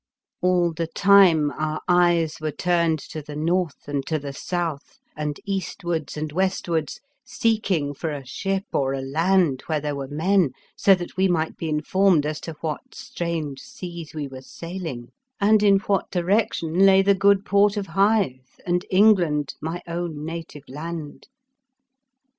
All the time our eyes were turned to the north and to the south and eastwards and westwards, seeking for a ship or a land where there were men, so that we might be informed as to what strange seas we were sailing, 126 The Fearsome Island and in what direction lay the good port of Hythe and England, my own native land.